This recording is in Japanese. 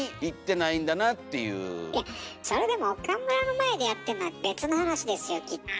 いやそれでも岡村の前でやってんのは別の話ですよきっと。